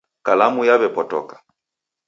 Kalamu yaw'epotoka.